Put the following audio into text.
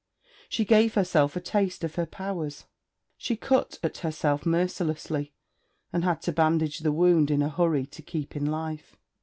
She gave herself a taste of her powers. She cut at herself mercilessly, and had to bandage the wound in a hurry to keep in life.